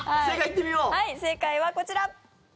正解はこちら。